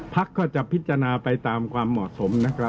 พักก็จะพิจารณาไปตามความเหมาะสมนะครับ